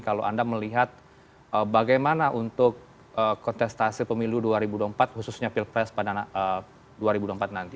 kalau anda melihat bagaimana untuk kontestasi pemilu dua ribu dua puluh empat khususnya pilpres pada dua ribu dua puluh empat nanti